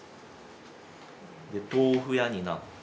で豆腐屋になって。